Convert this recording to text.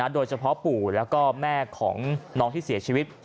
โดยเฉพาะปู่และแม่ของน้องที่เสียชีวิต